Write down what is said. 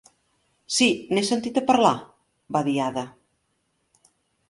"Sí, n'he sentit a parlar", va dir Ada.